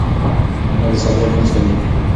انا به سبا بیا لمونځ کوي.